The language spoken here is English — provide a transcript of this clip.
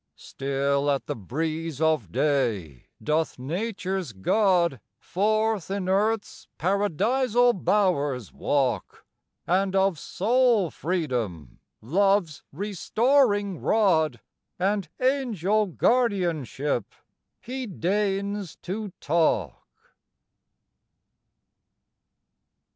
V. Still at the breeze of day doth nature's God Forth in earth's paradisal bowers walk, And of soul freedom, Love's restoring rod, And angel guardianship, He deigns to talk.